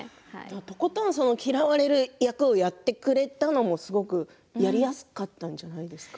とことん嫌われる役をやってくれたのもやりやすかったんじゃないですか。